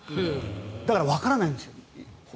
だから、わからないんですよ。